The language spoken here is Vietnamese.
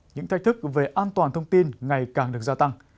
những thách thức về an toàn thông tin ngày càng được gia tăng